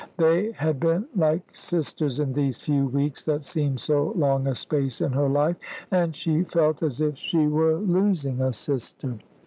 They had been like sisters, in these few weeks that seemed so long a space in her life; and she felt as if she were losing a sister.